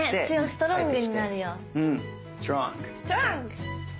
ストロング！